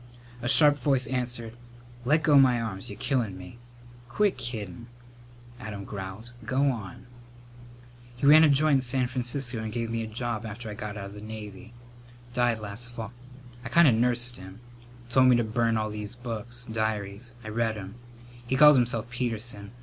A sharp voice answered, "Let go my arms. You're killin' me!" "Quit kiddin'," Adam growled. "Go on!" "He ran a joint in San Francisco and gave me a job after I got out the Navy. Died last fall. I kind of nursed him. Told me to burn all these books diaries. I read 'em. He called himself Peterson.